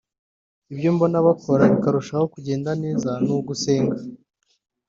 Ibyo mbona bakora bikarushaho kugenda neza ni ugusenga